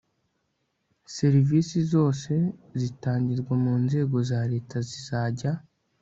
serivisi zose zitangirwa mu nzego za leta zizajya